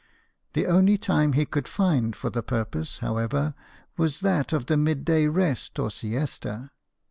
The only time he could find for the purpose, however, was that of the mid day rest or siesta.